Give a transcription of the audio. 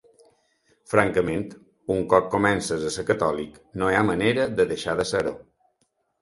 Francament, un cop comences a ser catòlic no hi ha manera de deixar de ser-ho.